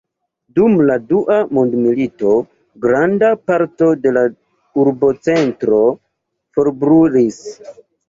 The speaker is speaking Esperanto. Dum la dua mondmilito granda parto de la urbocentro forbrulis.